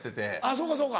そうかそうか。